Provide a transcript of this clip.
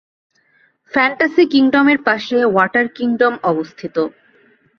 Fantasy কিংডমের পাশে water kingdom অবস্থিত।